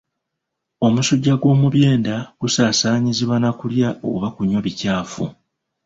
Omusujja gw'omubyenda gusaasaanyizibwa na kulya oba kunywa bikyafu.